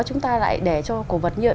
chúng ta lại để cho cổ vật như vậy